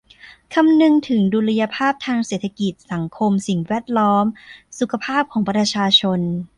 คำนึงถึงดุลยภาพทางเศรษฐกิจ สังคม สิ่งแวดล้อม สุขภาพของประชาชน